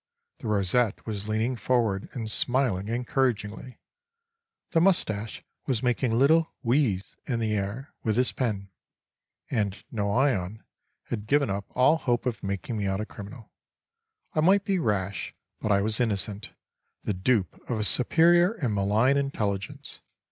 The rosette was leaning forward and smiling encouragingly. The moustache was making little ouis in the air with his pen. And Noyon had given up all hope of making me out a criminal. I might be rash, but I was innocent; the dupe of a superior and malign intelligence.